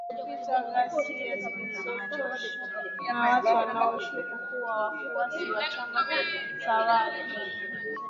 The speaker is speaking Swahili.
Wiki mbili zilizopita, ghasia zilizochochewa na watu wanaoshukiwa kuwa wafuasi wa chama tawala cha